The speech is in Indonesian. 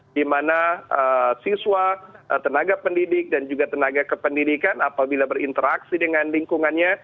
di mana siswa tenaga pendidik dan juga tenaga kependidikan apabila berinteraksi dengan lingkungannya